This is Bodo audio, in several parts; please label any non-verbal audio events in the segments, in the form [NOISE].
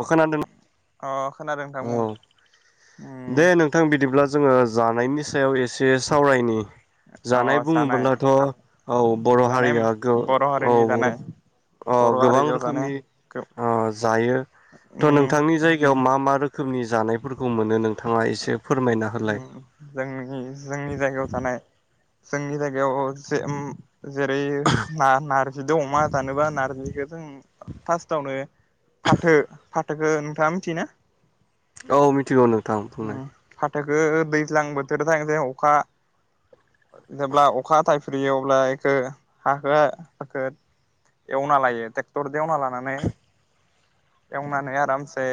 अह खोनादों। अह औ दे नोंथां बिदिब्ला जोङो जानायनि सायाव एसे सावरायनि जानाय बुङबोलाथ' औ बर' जानाय हारिया गो बर' औ हारिनि बर' जानाय अ बर' गोबां हारियाव जानाय रोखोमनि गो अ जायो थ' उम नोंथांनि जायगायाव मा मा रोखोमनि जानायफोरखौ मोनो नों आ उम जोंनि जोंनि जायगायाव थानाय जोंनि जायगायाव जे उम जेरै ना नारजिदो अमा दानोबा नारजिखो जों फार्स्टआवनो फाथो फा खो नोंथाङा मिथियोना? औ मिथिगौ नों उम फा थाखो दैज्लां बोथोर जायां जायांआव अखा जेब्ला अखा थाय फ्रियो अब्ला इखौ हाखो हाखोद एवना लायो ट्रेक्टर एवना लानानै एवनानै आरामसे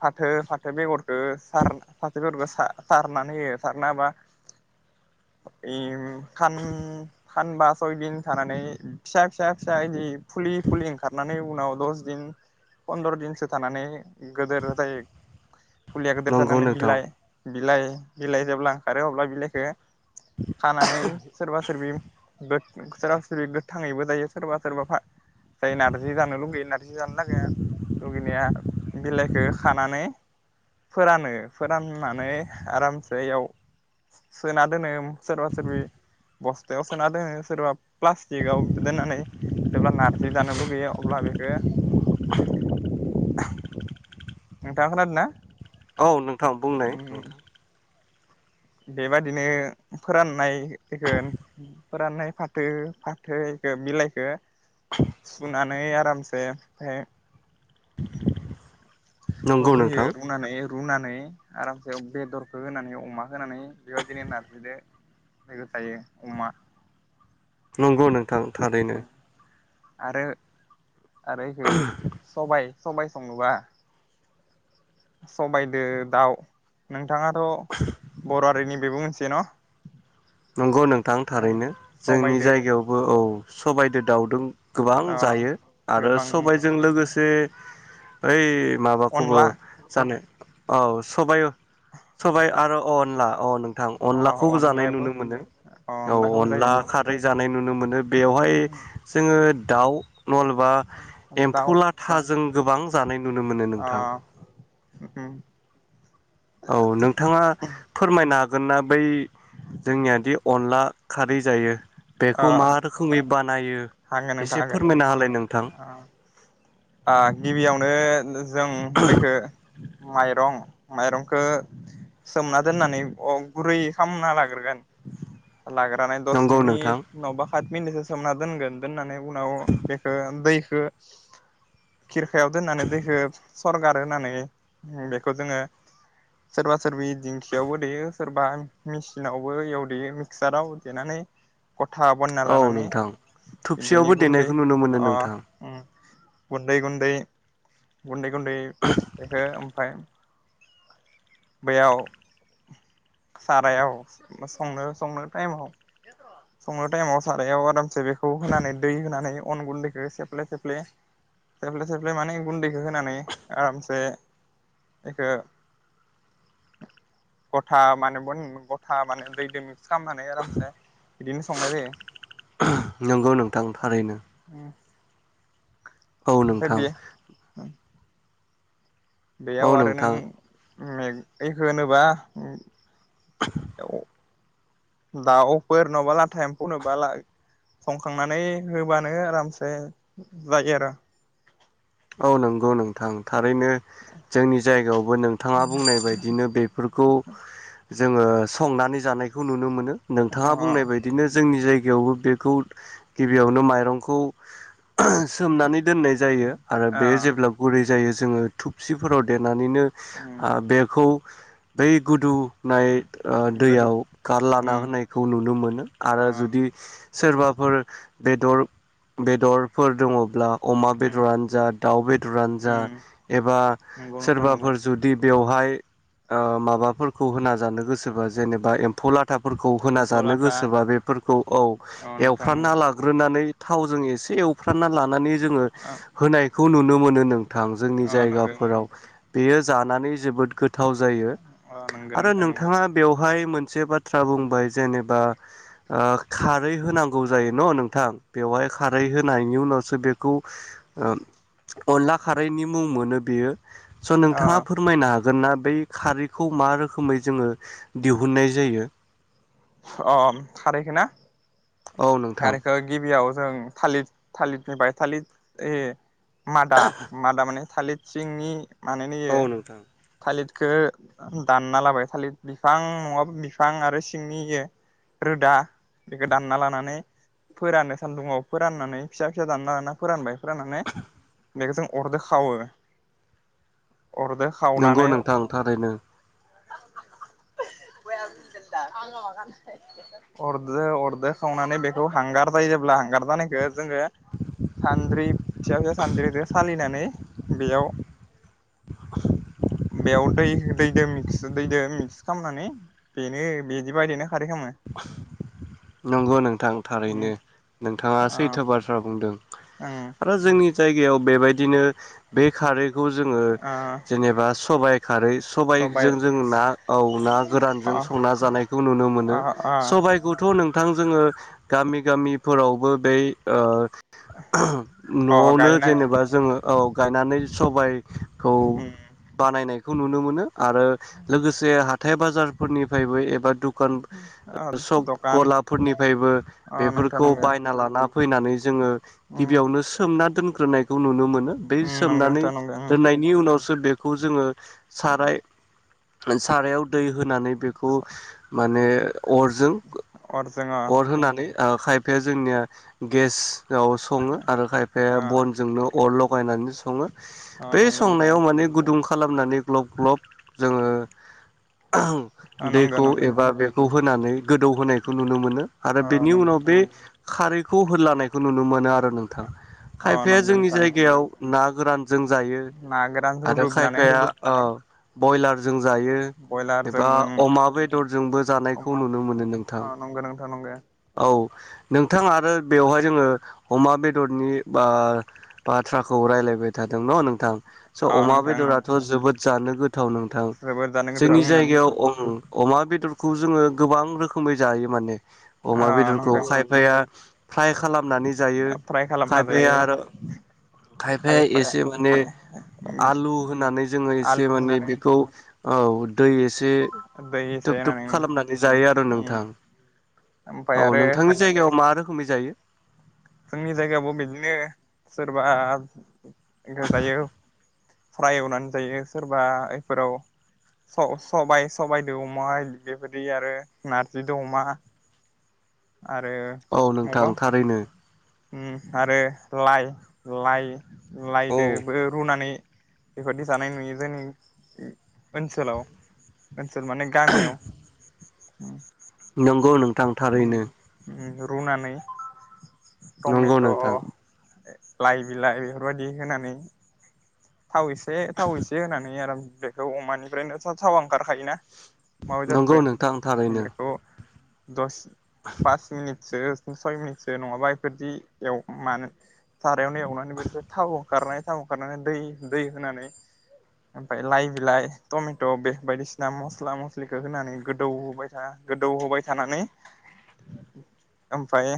फाथो ओइ फाथो बेगर ओ सार फाथोखो सार सा सारनानै होयो सारना होबा इउ खान खानबा सयदिन थानानै फिसा फिसा फिसा एदि फुलि फुलि ओंखारनानै उनाव दस दिन फन्द्र' दिनसो थानानै गोदोर जायो। फुलिया गोदोर नंगौ जानानै नोंथां बिलाइ बिलाइ बिलाइ जेब्ला ओंखारो अब्ला बिलाइखो खानानै सोरबा सोरबि सोरां सोरि गोथाङैबो दायो सोरबा सोरबा फा जाय नारजि जानो लुगैयो नारजि जानो लागाया लुगैनाया बिलाइखो खानानै फोरानो फोराननानै आरामसेयाव सोना दोनो सोरबा सोरबि बस्थायाव सोना दोनो सोरबा प्लास्टिकआव दोननानै जेब्ला नारजि जानो लुगैयो अब्ला बेखो नोंथांआ खोनादों ना? औ नोंथां बुंनाय नोंथां। बेबादिनो फोराननाय बेखो फोराननाय फाथो फाथोखो बिलाइखो सुनानै आरामसे ओमफ्राय नंगौ रुयो नोंथां रुनानै रुनानै आरामसे बेदरखौ होनानै अमा होनानै बेबायदिनो नारजिजों लोगो जायो अमा नंगौ नोंथां। थारैनो आरो आरो एखो सबाय सबाय सङोबा सबायदो दाउ नोंथाङाथ' बर'हारिनि बेबो मोनसे न? नंगौ नों थां ओं थारैनो जोंनि सबायदो जायगायावबो औ सबायदो दाउदों गोबां अ जायो आरो गोबां सबायजों लोगोसे ओइ माबाखौबो अनला जानो औ सबाय सबाय आरो अनला अ' नों थां अ अनलाखौबो जानाय अनलायाबो नुनो नो औ अनलाखौबो अनला जायो खारै जा नाय नुनो मोनो। बेवहाय जोङो दाउ मलबा दाउ एम्फौ लाथाजों गोबां जानाय नुनो मोनो अ नोंथां। [UNINTELLIGIBLE] औ नोंथाङा फोरमायनो हागोन ना बै जोंनियाद अनला खारै जायो। अ बेखौ मा रोखोमै बानायो हागोन एसे फोरमायना हालाय नोंथां आ गिबियावनो जों बेखौ माइरं माइरंखौ सोमना दोननानै अ गुरै खालामना लाग्रोगोन लाग्रोना दस नंगौ मिनिट नोंथां नङाबा पाइफ मिटसो सोमना दोनगोन होननानै उनाव बेखौ दै खिरखियाव दोननानै दैखौ सरगार होनानै बेखौ जोङो सोरबा सोरबि दिंखियावबो देयो सोरबा मेसिनावबो इयाव देयो मिक्साराव देनानै खथा बायना औ लानानै नोंथां बेनि थुबसेयावबो गुन्दै देनायखौ नुनो मोनो अ नोंथां उम गुन्दै गुन्दै गुन्दै गुन्दै बेखौ ओमफफ्राय बेयाव सारायाव संनो संनो टाइमाव संनो टाइमाव सारायाव आरामसे बेखौ होनानै दै होनानै अन गुन्दैखौ सेफ्ले सेफ्ले माने गुन्दैखौ होनानै आरामसे बेखौ गथा माने ब गथा माने दैजों मिक्स खालामनानै आरामसे बिदिनो संनाय जायो नंगौ नोंथां थारैनो [INAUDIBLE] औ ओमफाय नोंथां बे औ बेयाव आरो नों नोंथां बेखौ होनोब्ला औ दा अफोर नङाबा लाथाया एम्फौनोबा संखांनानै होबानो आरामसे जायो आरो औ नंगौ नोंथां थारैनो जोंनि जायगायावबो नोंथाङा बुंनाय बायदिनो बेफोरखौ जोङो संनानै जानायखौ नुनो मोनो अ नोंथाङा बुंनाय बायदिनो जोंनि जायगायाव गिबियावबो बेखौ गिबियावनो माइरंखौ सोमनानै दोननाय जायो आरो अ बेयो जेब्ला गुरै जायो जोङो थुुबसिफोराव देनानैनो उम बेखौ बै गुदु नाय ओ गोदौ दैयाव कार लाना उम होनायखौ नुनो मोनो आरो अ जुदि सोरबाफोर बेदर बेदर फोर दङब्ला अमा उम बेदरानो जा दाउ बेदरानो जा उम एबा नंगौ नोंथां नंगौ सोरबाफोर जुदि बेयाव माबाफोरखौ होन जानो गोसोबा जेनेबा एम्फौ लाथ थाफोरखौ होना एम्फौ जानो लाथा गोसोबा बेफोरखौ औ एवफ्रानना लाग्रोनानै थावजों एसे एवफ्रानना ला। नानै जोङो नायखौ नुनो मोनो नोंथां जोंनि अ नंगौ जायगाफोराव। बेयो जानानै जोबोद गोथ गोथाव जायो अ नंगौ आरो नोंथां नंगौ नोंथाङा बेवहाय मोन मोनसे बाथ्रा बुंबाय जेनेबा खारै होनांगौ जायो न' नोंथां बेवहाय खारै होनायनि उनावसो बेखौ अनला खारैनि मुं मोनो बेयो स' अ नोंथाङा फोरमायनो हागोन हागोना बै खारैखौ मा रोखोमै जोङो दिहुननाय जायो। अ अ खारैखो ना औ नोंथां खारैखौ गिबियाव। जों थालिर थालिरनिफ्राय थालिर। मादा मादा माने थालिर सिंनि माने नेयो औ नोंथां थालिद बेखौ दानना लाबाय थालिर बिफां नङाबा बिफां आरो सिंनि रोदा बेखौ दानना लानानै। फोराननो सान्दुंङआव फोराननानै फिसा फिसा दानालाना फोरानबाय फोरनानै बेखोजों अरदो खावो अरदो नंगौ खावनानै नोंथां थारैनो। [UNINTELLIGIBLE] अरदो अरदो खावना नै बे औ हांगार दााय जेब्ला हांगार दानखो जोङो सानद्रि फिसा फिसा सानद्रिजों सालिनानै बेयाव बेयाव दै दैदो मिक्स दैदो मिक्स खालामनानै बेनो बिदि बादिनो नंगौ नोंथां उम थारैनो नोंथाङा ओ सैथो बाथ्रा बुंदों दों ओं आरो जोंनि जायगायाव बेबायदिनो बे खारै बेखौ जोङो ओ जेनेबा सबाय खारै सबाय सबाइजों जों ना औ ना गोरानजों अ संना जानायखौ नुनो मोनो। अ अ सबायखौथ' नोंथां जोङो गामि गामिफोरावबो बै ओ अ न'आवनो गायनाय जेनेबा जोङो औ गायनानै सबाय खौ उम बानायनाय खौ नुनो मोनो। आरो लोगोसे हाथाइ बाजारफोरनिफ्रायबो एबा दु खान ओ सक दखान गलाफोरनिफ्रायबो अ नोंथां बेफोरखौ नंगो बायना लाना फैनानै जोङो उम गिबियावनो सोमना दोनग्रोनाय खौ नुनो मोनो बे उम नंगो सोमनानै नोंथां नंगो उम दोननायनि उनाव बेखौ जोङो साराय सारायाव दै होनानै बेखौ माने अरजों अरजों अ अर होनानै ओ खायफाया जोंनिया गेस आव सङो आरो खायफाया अ बनजोंनो अर ल' बाहायनानै स सङो अ बै नंगो नोंथां संनायाव माने गुदुं खालामनानै ग्लब ग्लब जोङो अ नंगो दैखौ नंगो एबा बेखौ होनानै गोदौ होनायखौ नुनो मोनो आरो अ बेनि नंगो उनाव बे खारैखौ होलानायखौ नुनो मोनो आरो । नोंथां अ खायफाया नंगो जोंनि नोंथां जायगायाव ना गोरान जों जायो ना गोरान आरो रुदुबनानै खायफाया अ बयलारजो जों जायो बयलारजों एबा अमा बेदर जोंबो जानाय खौ अमा नुनो मोनो नोंथां अ नंगौ नोंथां नंगौ औ। नोंथां आरो बेवहाय जोङो अमा बेदरनि बा-बाथ्राखौ रायज्लायबाय। थादों न नोंथां स' अ अमा नोंथां बेदराथ' जोबोद जानो गोथाव नोंथां जोबोद जानो जोंनि गोथाव उम जायगायाव अमा बेदर खौ जोङो गोबां रोखोमै जायो माने अ अमा बेदरखौ नंगौ खायफाया फ्राय खालामनानै जायो फ्राय खालामना खायफाया जायो आरो खायफाया एसे माने उम आलु होनानै जोङो एसे आलु माने होनानै बेखौ औ दै एसे दै एसे थुब थुब होनानै खालामनानै जायो आरो उम नोंथां ओमफ्राय औ आरो नोंथांनि जायगायाव मा रोखोमै जायो जोंनि जायगायावबो बिदिनो सोरबा जायो फ्राय एवनानै जायो सोरबा बेफोराव सबाय सबायाइदो अमा बेबायदि आरो नारजिदो अमा आरो औ नोंथां मबा थारैनो आरो लाइ लाइ औ लायदोबो रुनानै बेबायदि जानाय नुयो जोंनि ओनसोलाव समान गामियाव औ नंगौ नोंथां थारैनो उम रुनानै नंगौ टमेट' नोंथां लाइ बिलाइ बेफोरबायदि होनानै थाव एसे थाव एसे होनानै आराम बेखौ अमानिफ्रायनोथ' थावा ओंखारखायोना अमा नंगौ बेदरनिफ्राय नोंथां थारैनो बेखौ दस पास मिनिटसो सय मिनिटसो नङाबा बेफोरदियाव मानो थार खायावनो एवनानै बेनि थावओंखारनाय सामावंखारनानै दै दै होनानै ओमफफ्राय लाइ बिलाइ टमेट' बे बायदिसिना मस्ला मस्लिखौ होनानै गोदौ होबाय था गोदौ होबाय थानानै बाय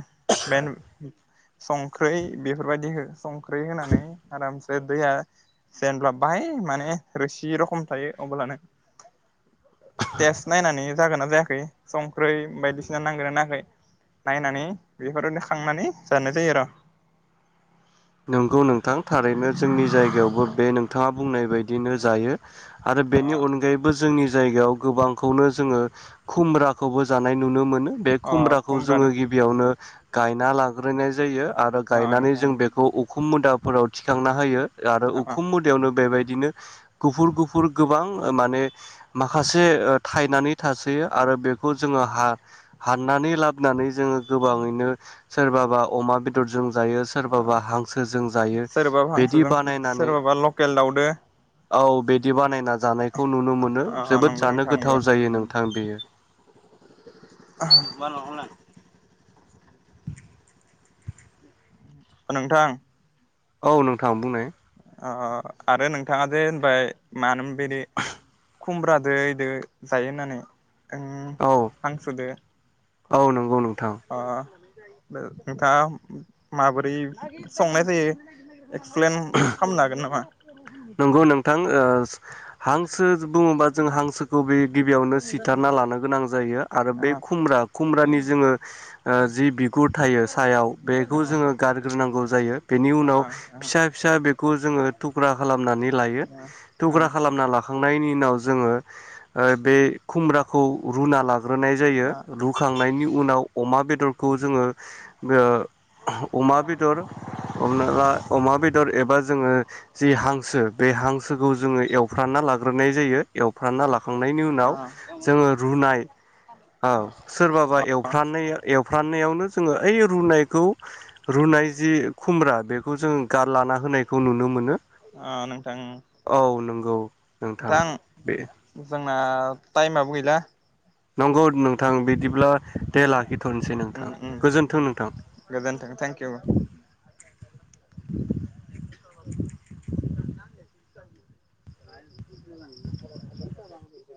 मेन संख्रै बेफोरबायदि हो संख्रि होनानै आरामसे द [UNINTELLIGIBLE] जेनब्ला बाय माने रोसि रखम थायो अब्लानो तेस नायनानै जागोन ना जायाखै संख्रै बायदिसिना नांगोना नाङाखै नायनानै बेफोरबादि खांनानै जानाय जायो आरो' नंगौ नोंथां थारैनो जोंनि जायगायावबो बे नोंथाङा बुंनाय बायदिनो जायो। आरो बेनि अनगायैबो जोंनि जायगायाव गोबांखौनो जोङो खुमब्राखौबो जानाय नुनो मोनो। बे अ खुमब्राखौ खमब्लानो जोङो गिबियावनो गायना ला नाय जायो आरो अ गायनानै नोंथां जों बे अखुम मुदाफोराव थिखांना होयो आरो उखुम मुदायावनो बेबायदि बिदिनो गुफुर गुफुर गोबां माने माखासे थायनानै थासयो आरो बेखौ जोङो हा हाननानै लाबोनानै जोङो गोबाङैनो सोरबाबा अमा बेदरजों जायो सोरबाबा हांसोजों जायो सोरबा बिदि हांसोजोंसो बानायनानै सोरबाबा लकेल दावउदो औ बिदि बानायनानै जानायखौ नुनो मोनो जोबोद नंगौ जानो नोंथां गोथाव जायो नोंथां थां बियो बानो [UNINTELLIGIBLE] नोंथां औ नोंथां बुंनाय आरो नोंथाङा जे होनबाय मानो बिदि खुमब्रादो इदो जायो होननानै आं औ हांसुदो औ नंगौ नोंथां अ नोंथाङा माबोरै संनाय जायो। एक्सप्लेन खालामनो हागोन नामा? नंगौ नोंथां ओ हांसो बुङोबा जों हांसोखौ बे गिबियावनो सिथारना लानो गोनां जायो आरो ओ बे खुमब्रा खुमब्रानि जोङो जि बिगुर थायो ओ सायाव बेखौ जोङो गारग्रोनांगौ जायो बेनि उनाव फिसा फिसा बेखौ जोङो थुख्रा थुखरा खालामना लाांखांनायनि उनाव जोङो ओ बे खुमब्राखौ रुना लाग्रोनाय जायो रुखांनायनि उनाव अमा बेदर खौ जोङो ओ अमा बेदर हमना ला अमा बेदर एबा जोङो जि हांसो बे हांसोखौ जोङो एवफ्रानना लाग्रोनाय जायो। एवफ्रानना लाखांनायनि उनाव ओ जोङो रुनाय औ सोरबाबा ओ ओ एवफ्रनाय एवफ्राननायावनो जोङो ओइ रुनायखौ रुनाय जि खुमब्रा बेखौ जों गारलाना होनायखौ नुनो मोनो। ओ नोंथां उ औ नंगौ नोंथां बे टाइमाबो गैला नंगौ। नोंथां बिदिब्ला दे उम लाखिथ'नोसै उम नोंथां उम गोजोन्थों नोंथां। गोजोन्थों थेंकिउ। [UNINTELLIGIBLE] [UNINTELLIGIBLE]